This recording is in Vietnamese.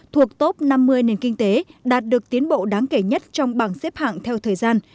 thuộc top năm mươi nền kinh tế đạt được tiến bộ đáng kể nhất trong bảng xếp hạng theo thời gian